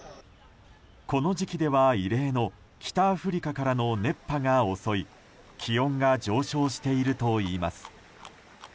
この時期では異例の北アフリカからの熱波が襲い気温が上昇しているといいます。